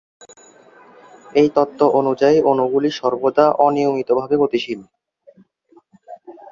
এই তত্ত্ব অনুযায়ী অণুগুলি সর্বদা অনিয়মিতভাবে গতিশীল।